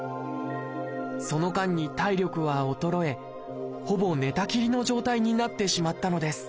その間に体力は衰えほぼ寝たきりの状態になってしまったのです。